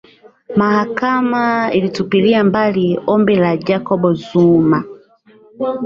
mahakama ilitupilia mbali ombi la jacob zuma